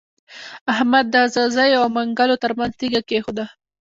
احمد د ځاځيو او منلګو تر منځ تيږه کېښوده.